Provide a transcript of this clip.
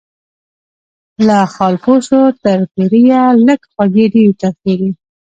له خالپوڅو تر پیریه لږ خوږې ډیري ترخې دي